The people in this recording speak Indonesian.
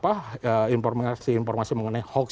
apa informasi informasi mengenai hoax